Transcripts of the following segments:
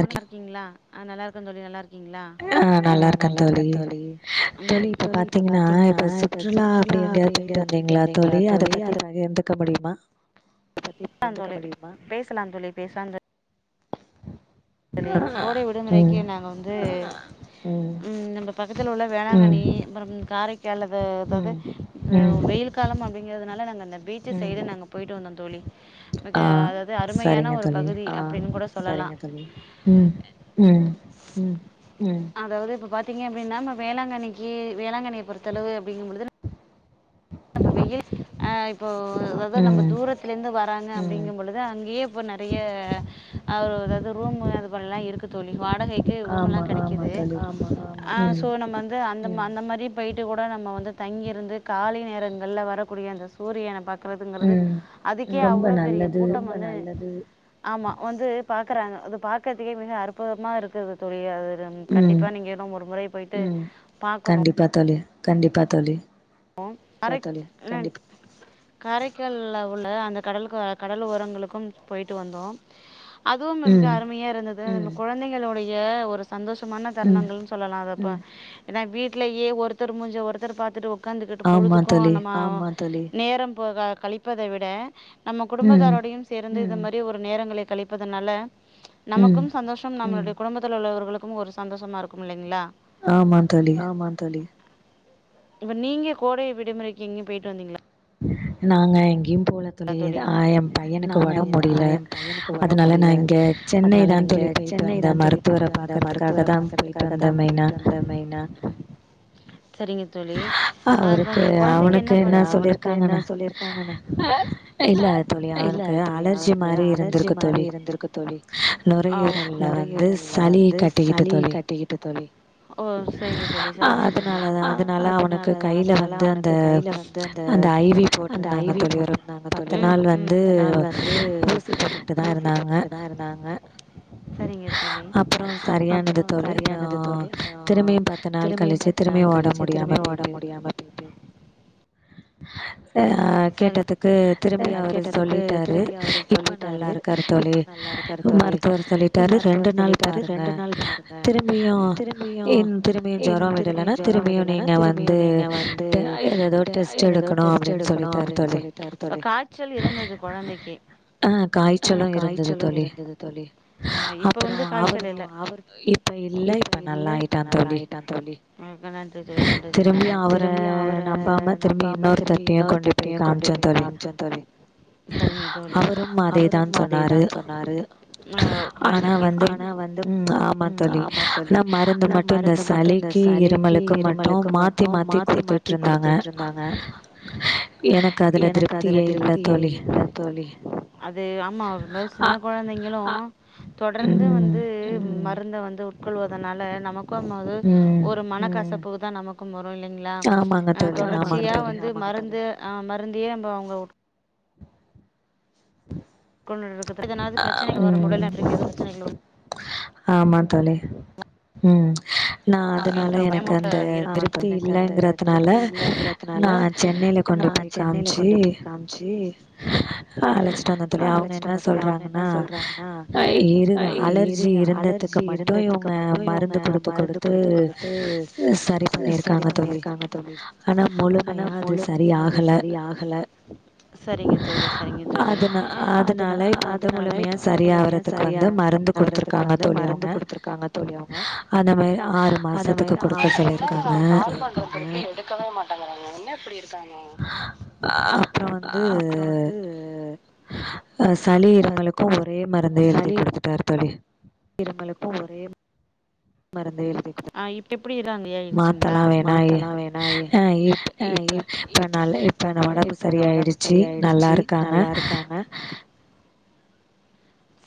நல்லா இருக்கீங்களா ஆ நல்லா இருக்கேன் தோழி நல்லா இருக் ஆ நல்லா இருக்கேன் தோழி தோழி இப்ப பாத்தீங்கன்னா சுற்றுலா அப்டி எங்கேயாவது போயிட்டு வந்தீங்களா தோழி அத பத்தி பகிர்ந்துக்க முடியுமா பேசலா தோழி பேசலா தோழி பேசலா தோ ழி கோடை விடுமுறைக்கு நாங்க வந்து ம் நம்ம பக்கத்தில உள்ள வேளாங்கண்ணி அப்புறம் காரைக்கால்து அதாது வெயில் களம் அப்டிங்கிறதுனால நாங்க அந்த பீச்சு சைடு நாங்க போயிட்டு வந்தோம் தோழி மிக அதாவது அருமையான ஒரு பகுதி அப்டின்னு கூட சொல்லலாம் ம் ம் ம் அதாவது இப்ப பாத்தீங்க அப்டின்னா நம்ம வேளாங்கண்ணிக்கு வேளாங்கண்ணியை பொறுத்தளவு அப்டிங்கும் பொழுது நம்ம வெயில் ஆ இப்போ அதாவது நம்ம தூரத் திலிருந்து வராங்க அப்டிங்கும் பொழுது அங்கேயே இப்ப நெறையா அவ அதாவது ரூம்மூ அதுபடி எல்லா இருக் கு தோழி வாடகைக்கு ரூம் எல்லா கிடைக்குது சோ நம்ம வந் து அந்த அந்த மாதிரி போயிட்டு கூட நம்ம வந்து தங்கி இருந்து காலை நேர ங்கள்ள வரக்கூடிய அந்த சூரியன பாக் கிறதுங்குறது அதுக்கே அவ்ளோ பெரிய கூட்டமாதா ஆமா வந்து பாக்குறாங்க அது பாக்கதுக்கே மிக அற்புதமா இருக்குது தோழி அது ம் கண்டிப்பா நீங்களும் ஒரு முறை போய்ட்டு கண்டிப்பா தோழி கண்டிப்பா தோழி கண்டிப்பா தோழி கண்டிப்பா காரைக்கால்ல உள்ள அந்த கடலுக்கு கடல் ஓரங்களுக்கும் போயிட்டு வந்தோம் அதுவு மிக அருமையாக இருந்தது நம்ம குழந்தைங்களுடைய ஒரு சந்தோஷமான தருணங்களு சொல்லலா அதப்பா ஏன்னா வீட்லயே ஒருத்தர் மூஞ்ச ஒருத்தர் பாத்துட்டு உட் காந்துட்டு பொழுதுக்கு நம்ம நேர போக கழிப்பதை விட நம்ம குடும்பத்தாரோடையு சேர்ந்து இந்த மாரி ஒரு நேரங்களை கழிப்பதுனால ம்ச் நமக்கும் சந்தோஷம் நம்மளுடைய குடும்பத்தில் உள்ளவர்களுக்கும் ஒரு சந்தோஷமா இருக்கும் இல்லைங்களா ஆமாந்தோழி ஆமாந்தோழி இப்ப நீங்க கோடை விடுமுறைக்கு எங்கயு போய்ட்டு வந்தீங்ளா நாங்க எங்கேயு போல தோழி ஆ எ பையனுக்கு உடம்பு முடியல அதனால நா இங்க சென்னை தா தோழி சென்னை தா தோழி போயிட்டு வந்தே மருத்துவர பாக்கறதுக்காக தா போயிட்டு வந்தே மெயினா சரிங்க அவுருக்கு அவனுக்கு என்ன சொல்லிருக்காங்கனா ஆ இல்ல தோழி அவனுக்கு அலர்ஜி மாரி இருந்திருக்கு தோழி ஆ நுரையீரல்ல வந்து சளி கட்டிக்கிட்டு தோழி ஓ செரிங்க தோழி செரிங்க தோழி ஆ அதனாலாதா அதனால அவனுக்கு கையில வந்து அந்த அந்த ஐ வி போட் ருந்தாங்க தோழி அந்த நாள் வந்து ஊசி போட்டுட்டுதா இருந்தாங்க சரிங்க தோழி அப்புறோ சரியானது தோழி அங்க நா திரும்பயு பாத் திரும்பயு ஓட முடியாம பெய்ட்டு ஆ கேட்டதுக்கு திரும்பியு அவரு சொல்லிட்டாரு இப்போ நல்லாருக்காரு தோழி மருத்துவர் சொல்லிட்டாரு ரெண்டு நாள் பாருங்க திரும்பியு இ திரும்பியு ஜொரம் விடலன்னா திரும்பயு நீங்க வந்து எதுஎதோ டெஸ்ட் எடுக்கணு அப்டின் இருக்கணு அப்டின் சொல்லிட்டாரு தோழி ஆ காய்ச்சலு இருந்தது தோழி எது தோழி இப்ப இல்ல இப்ப நல்லா ஆயிட்டா தோழி திரும்பியு அவர நம்பாம திரும்பி இன்னொரு போய் காமிச்சே தோழி அவரு அதேதான் சொன்னாரு ஆனா வந்து ம் ஆமா தோழி ஆனா மருந்து மட்டு இந்த சளிக்கு இருமலு க்கு மட்டு மாத்தி மாத்தி குடுத்துட்டு இருந்தாங்க எனக்கு அ எனக்கு அதுல திருப்தியே இல்ல தோழி தொடர்ந்து வந்து மருந்த வந்து கொள்வதனால நமக்கும்போது ஒரு மனக்கசப்பு தா நமக்கும் வரு இல்லைங் களா ஆ தொடர்ச்சியா வந்து மருந்து ஆ மருந்தையே நம்ப அவுங்க உம் இதனாது பிரச்சனைகள் வரு உடல்நல்திற்க்கு எதும் பிரச்சனைகள் வரு ஆமா தோழி ம் நா அதனால எனக்கு அந்த திருப்தி இல்லங்கிறதுனால நா சென்னைல கொண்டு போய் சென்னைல கொண்டு போய் காம்ச்சி ஆ அழைச்சிட்டு வந்தே தோழி அவுங்க சொல்றாங்கன்னா [unintelligible] இருது அலர்ஜி இருந்ததுக்கு மட்டு இவுங்க மருந்து குடுத்து குடுத்து சரி இது பண்ணிருக்காங்க தோழி ஆனா முழுமையா அது சரியாகல ஆ அதுனா அதனால இப்ப வந்து முழுமையா சரியா ஆ வருது க்கு வந்து மருந்து குடுத்திருக்காங்க தோழி அவுங்க அந்த மாதிரி ஆறுத்து [inaudible] சிக்கவே மாட்டாங்கறாங்க என்ன எப்டி இருக்காங்க அப்புறோ வந்து ஆ சளி இருமலுக்கு ஒரே மருந்து எழுதி குடுத்துட்டாரு தோழி இருமலுக்கு ஒரே மருந்த எழுதி குடு ஆ இப்டி இப்டி இதா அங்கயேச்சுங்ளா மாத்தல்லா வேணா எ ஆ இப்ப இப்ப இப்ப நல்ல இப்ப ஒடம்பு சரியாயிடுச்சு நல்லாருக்காங்க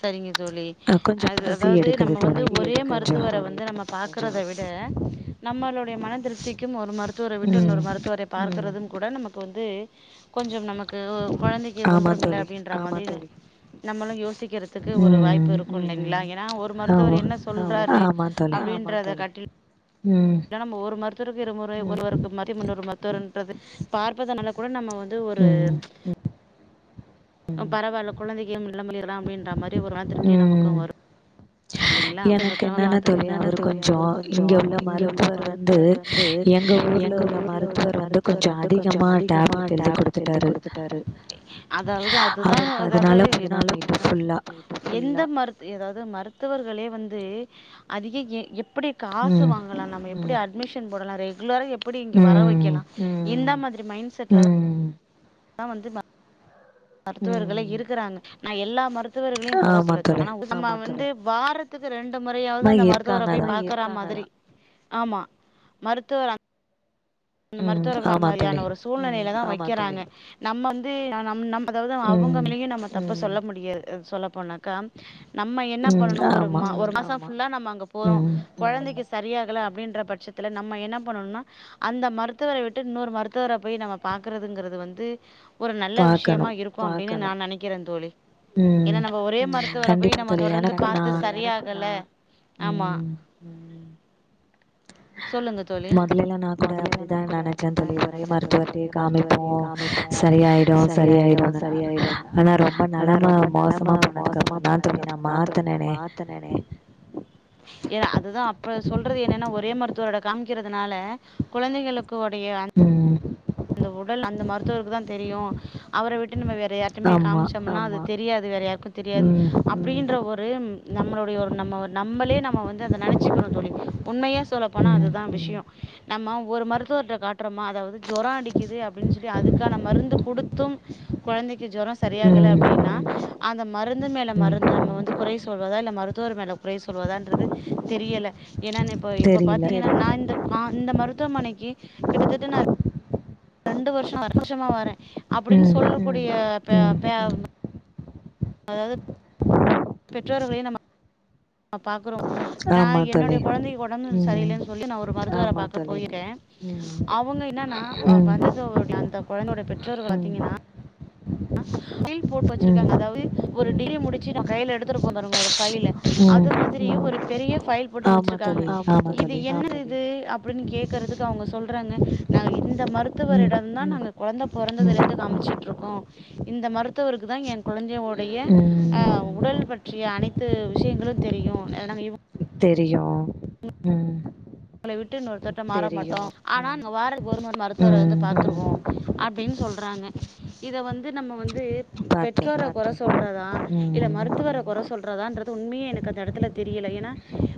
சரிங்க தோழி அது அதாது நம்ம வந்து ஒரே மருத்துவர வந்து நம்ம பாக்குறத விட நம்மளுடைய மன திருப்திக்கும் ஒரு மருத்துவர விட்டு இன்னொரு மருத்துவர பார்க்கறதும் கூட நமக்கு வந்து கொஞ்சம் நமக்கு கொழந்தைக்கு ஒன்றும் இல்ல அப்டின்ற ஆமா தோழி நம்மளு யோசிக் கிறதுக்கு ஒரு வாய்ப்பு இருக்கு இல்லைங்களா ஏனா ஒரு மருத்துவர் என்ன சொல்றாரு அப்டின்றத கட்டில் இல்ல நம்ம ஒரு மருத்துவருக்கு இருமுறை ஒருவருக்கு மாரி இன்னூறு மருத்துவருன்றது பார்ப்பதனால கூட நம்ம வந்து ஒரு பரவால்ல குழந்தைைக்கு இல்ல முலாம் அப்டின்ற மாரி ஒரு மனதிருப்தி நமக்கு வரு இல்லங்ளா எனக்கு என்னென்னா தோழி அவர் கொஞ்ச இங்க உள்ள மருத்துவர் வந் து எங்க ஊர்ல உள்ள மருத்துவர் கொஞ்ச அதிகமாக டேப்லெட் எழுதி கொடுத் ட்டாரு அதாவது அது தா அதாவது என்னால எந்த மருத்து ஏதாது மருத் த்துவர்களே வந்து அதிக எ எப்படி காசு வாங்கலா நம்ம எப்படி அட் ட்மிஷன் போடலா ரெகுலரா எப்படி இங்க வர வைக்கலா இந்த மாதிரி மைண்ட் செட்ல தா அதா வந்து மருத்துவர்களே இருக்குறாங்க நா எல்லா மருத்துவர்களையு கொற சொல்ல தோழி ஆனா நா வந்து வாரத் துக்கு ரெண்டு முறையாவது அந்த மருத்துவர போய் பாக்குற மாரி ஆமா மருத்துவர் அந் அந்த மருத்துவர வேற மாதியான ஒரு சூ சூழ்நிலையில தா வைக்கிறாங்க நம்ம வந்து நம் அதாது அவங்க மேலயு நம்ம தப்பு சொல்ல முடியாது சொல்ல போனா கம் நம்ம என்ன பண்ணணு ஒரு ஒரு மாச ஃபுல்லா நம்ம அங்க போறோ கொழந்தைக்கு சரியாகல அப்டின்ற பட்சத்துல நம்ம என்ன பண்ணணுனா அந்த மருத்துவர விட்டு இன்னொரு மருத்துவர போய் நம்ம பாக்கறதுங்கிறது வந்து ஒரு நல்ல விஷயமா இருக் அப்படினு நா நெனைக்கிறே தோழி ஏனா நம்ம ஒரே மருத்துவர போய் நம்ம தொடர்ந்து பாத்து சரியாகல ஆமா ம் மொதல்லலா நா கூட அப்படிதா நெனைச்ச தோழி ஒரே மருத்துவர்டயே காமிப்போ சரியாயிடு சரியாயிடுனு ஆனா ரொம்ப நெலம மோசமா போ னதுக்கு அப்புற தா தோழி நா மாத்துனனே ஏ அதுதா அப்ப சொல்றது என்னன்னா ஒரே மருத்துவரோட காமிக்கறதுனால குழந்தைகள கு உடைய அந் அந்த உடல் அந்த மருத்துவருக்கு தா தெரியு அவர விட்டு நம்ப வேற யார் டையு போய் காமிச்சோம்னா அது தெரியாது வேற யாருக்கு தெரியாது அப்படின்ற ஒரு நம்மளுடைய ஒரு நம்ம நம்மளே நம்ம வந்து அத நனச்சிக்கணு தோழி உண்மையா சொல்லப்போனா அதுதா விஷயோ நம்ம ஒரு மருத்துவர்ட காட்றோமா அதாவது ஜொரோ அடிக்குது அப்டின் சொல்லி அதுக்கான மருந்து குடுத்தும் கொழந்தைக்கு ஜொரோ சரியாகல அப்படினா அந்த மருந்து மேல மருந்து நம்ம வந்து குறை சொல்வதா இல்ல மருத்துவர் மேல குறை சொல்வதான்றது தெரியல ஏனா இப்ப இப்ப பாத்தீங்கனா நான் இந்த ஆ இந்த மருத்துவமனைக்கு கிட்டத்தட்ட நா ரெண்டு வருஷ ரெண்டு வருஷமா வரே அப்படின் சொல்லக்கூடிய பே பே அதாது பெற்றோர்களையு நம்ம அ பாக்குறோம் நா என்னுடைய கொழந்தைக் ஒடம்பு சரியில்லன் சொல்லி நா ஒரு மருத்துர பாக்க போயிருக்கேன் அவுங்க என்னன்னா வ வந்து [unintelligible] அந்த கொழந்தையுடைய பெற்றோர்கள் பாத்தீங்கன்னா டீல் போட்டு வச்சிருக்காங்க அதாவ்து ஒரு டிகிரி முடிச்சு நம்ம கையில எடுத்துட்டு போவோம்ல ஒரு பைலு அது மாதிரியும் ஒரு பெரிய ஃபைல் போட்டு வச்சிருக்காங்க இது என்ன இது அப்டின்னு கேக்குறதுக்கு அவங்க சொல்றாங்க நாங்க இந்த மருத்துவரிடம்தான் நாங்க கொழந்த பொறந்ததுலேந்து காமிச்சிட்ருக்கோம் இந்த மருத்துவருக்கு தான் என் கொழந்தையோடைய ஆ உடல் பற்றிய அனைத்து விஷயங்களும் தெரியும் அதுனாங்க இவ் தெரியும் உம் உங்கள விட்டு இன்னொருத்தர்ட மாற மாட்டோம் ஆனா அங்க வார ஒரு முற மருத்துவர வந்து பாத்துருவோம் அப்டின் சொல்றாங்க இத வந்து நம்ம வந்து பெற்றோர கொற சொல்றதா இல்ல மருத்துவர கொற சொல்றதான்றது உண்மையே எனக்கு அந்த எடத்துல தெரியல ஏன்னா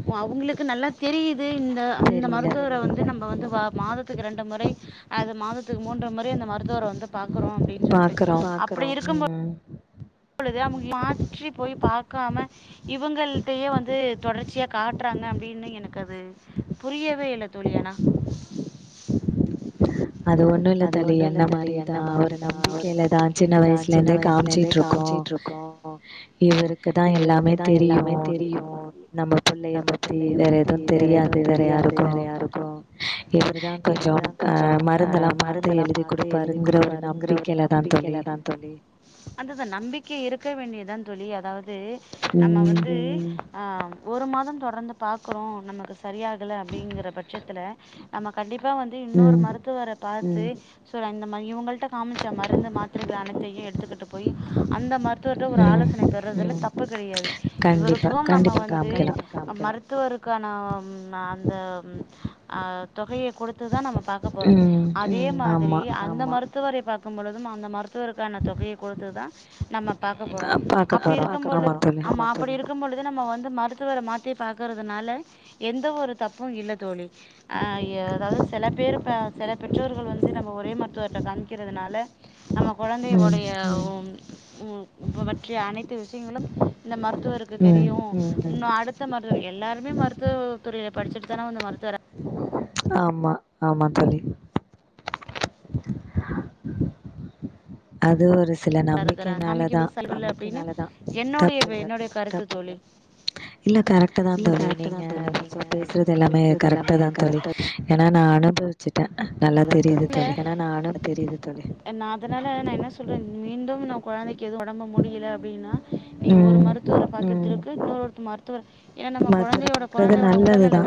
ஒ அவங்களுக்கு நல்லா தெரியுது இந்த அந்த மருத்துவர வந்து நம்ப வந்து வா மாதத்துக்கு ரெண்டு முறை அது மாதத்துக்கு மூன்று முறை அந்த மருத்துவர வந்து பா குறோம் அப்டின் சொல்ட்டு அப்படி இருக்கும்போ பொழுது அவங்க மாற்றி போய் பாக்காம இவங்கள்டையே வந்து தொடர்ச்சியா காட்றாங்க அப்டின்னு எனக்கு அது புரியவே இல்ல தோழி அனா அது ஒண்ணு இல்ல தோழி என்ன மாரிதா ஒரு நம்பிக்கையில தா ஜின்ன வயசுலே இருந்து காமிச்சிட்டு இருக்கோ ம் இவருக்குதா எல்லாமே தெரியும் நம்ம புள்ளைய பத்தி வேற எதும் தெரியாது வேற யாருக்கும் இவருதான் கொஞ்சோம் அ ம மருந்தெல்லாம் பாத்து எழுதி குடுப்பாருங்கற ஒரு நம்பிக்கையில தா தோழி ஆ தோழி அந்தத நம்பிக்கை இருக்க வேண்டியதான் தோழி அதாவ்து நம்ம வந்து ஆ ஒரு மாதம் தொடர்ந்து பாக்குறோம் நமக்கு சரியாகல அப்டின்ற பட்சத்துல நம்ம கண்டிப்பா வந்து இன்னொரு மருத்துவர பாத்து சோ நா இந்த மா இவங்கள்ட காமிச்சா மருந்து மாத்திரைகள் அனைத்தையும் எடுத் எடுத்துக்கிட்டு போய் அந்த மருத்துவர்ட ஒரு ஆலோசனை பெறதுல தப்பு கெடையாது இவருக்கும் நம்ம வந்து மருத்துவருக்கான ம் அந்த ம் அ தொகைய குடுத்துதா நம்ம பாக்க போறோம் அதே மாதிரி அந்த மருத் துவரை பாக்கும் பொழுதும் அந்த மருத்துவருக்கான தொகையை குடுத்து தா நம்ம பாக்க போறோம் அப்டி இருக்கும்பொழு ஆமா அப்படி இரு இருக்கும் பொழுது நம்ம வந்து மருத்துவர மாத்தி பாக்கறதுனால எந்த ஒரு தப்பும் இல்ல தோழி அ எதாது சில பேரு சில பெற்றோர்கள் வந்து நம்ம ஒரே மருத்துவர்ட்ட காமிக்கறதுனால நம்ம கொழந்தை ஒடைய ஓம் உ பற்றிய அனைத்து விஷயங்களும் இந்த மருத்துவருக்கு தெரியும் ம் இன்னும் அடுத்த மருத்துவவரு எல்லாருமே மருத்துவத்துறில தானே வந்து மருத்துவர ஆம்மா ஆமாம் தோழி அது ஒரு சில நம்பிக்கைனால தா [unintelligible] அப்டினா என்னோடைய வே என்னுடைய கருத்து தோழி இல்ல கரெக்ட்டுதான் தோழி நீங்க பேசுறது எல்லாமே கரெக்ட்டு தான் தோழி ஏன்னா நா அனுபவிச்சுட்டே நல்லா தெரியுது தோழி தோழி நா அதனால நா என்ன சொல்றே மீண்டும் நம் கொழந்தைக்கு எது ஒடம்பு முடியல அப்டின்னா நீங்க ஒரு மருத்துவர பாக்கறத்து இருக்கு இன்னொரு மருத்துவர் ஏன்னா நம்ம கொழந்தையோட கொழந்தையோட உடல்நல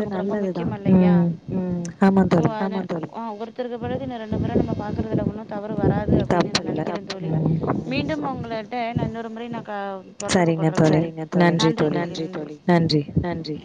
முக்கியமல்லையா ம் சோ அது அ ஒருத்தருக்கு பெறகு இன்ன ரெண்டு பேரும் நம்ம பாக்குறதுல ஒன்னு தவறு வராது அப்டின்னு நா நெனக்கிறே தோழி மீண்டும் உங்களட்ட நா இன்னொரு முறை நா அ தொடர்பு கொல்றே சரிங்க தோழி நன்றி நன்றி தோழி நன்றி